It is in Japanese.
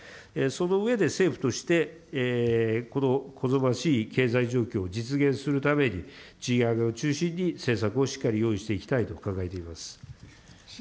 その上で、政府としてこの好ましい経済状況を実現するために、賃上げを中心に政策をしっかり用意していきたいと考えています。